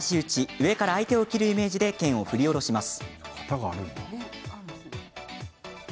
上から相手を斬るイメージで剣を振り下ろします。